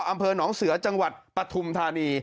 อำเภอหนองเสือจังหวัดปฐุมธานี